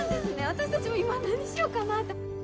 私たちも今何しようかなって。